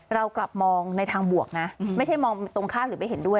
เรากลับมองในทางบวกนะไม่ใช่มองตรงข้ามหรือไม่เห็นด้วย